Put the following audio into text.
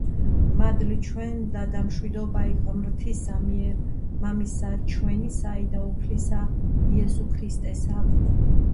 მადლი თქუენდა და მშვიდობაი ღმრთისა მიერ მამისა ჩუენისა და უფლისა იესუ ქრისტესა.